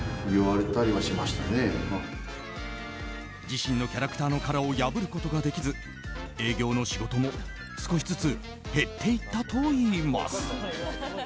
自身のキャラクターの殻を破ることができず営業の仕事も少しずつ減っていったといいます。